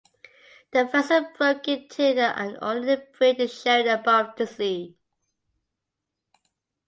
The vessel broke in two and only the bridge is showing above the sea.